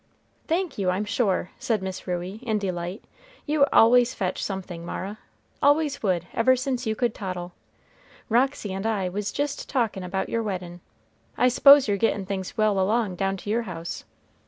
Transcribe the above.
"Thank you, I'm sure," said Miss Ruey, in delight; "you always fetch something, Mara, always would, ever since you could toddle. Roxy and I was jist talkin' about your weddin'. I s'pose you're gettin' things well along down to your house.